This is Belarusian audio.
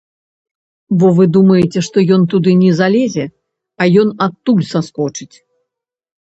Бо вы думаеце, што ён туды не залезе, а ён адтуль саскочыць.